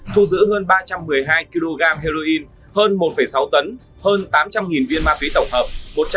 thu giữ hơn ba trăm một mươi hai kg heroin hơn một sáu tấn hơn tám trăm linh viên ma túy tổng hợp